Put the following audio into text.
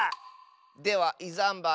では「いざんば」